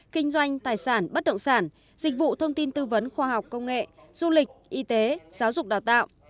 kinh doanh tài sản bất động sản dịch vụ thông tin tư vấn khoa học công nghệ du lịch y tế giáo dục đào tạo